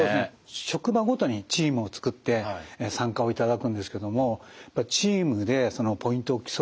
職場ごとにチームを作って参加をいただくんですけどもチームでポイントを競う。